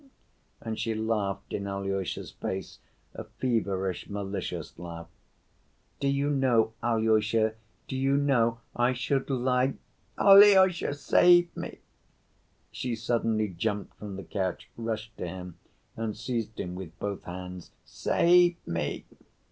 And she laughed in Alyosha's face, a feverish malicious laugh. "Do you know, Alyosha, do you know, I should like—Alyosha, save me!" She suddenly jumped from the couch, rushed to him and seized him with both hands. "Save me!"